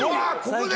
ここで？